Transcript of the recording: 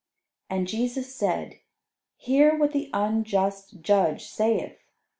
And Jesus said, "Hear what the unjust judge saith.